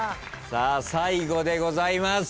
さあ最後でございます。